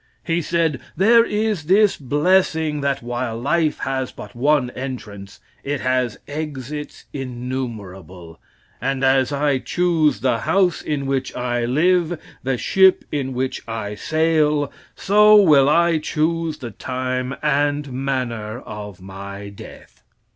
He said, "There is this blessing, that while life has but one entrance, it has exits innumerable, and as I choose the house in which I live, the ship in which I will sail, so will I choose the time and manner of my death."